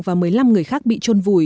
và một mươi năm người khác bị trôn vùi